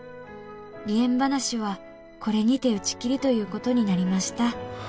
「離縁話はこれにて打ち切りということになりました」